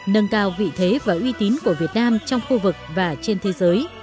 nâng cao vị thế và uy tín của việt nam trong khu vực và trên thế giới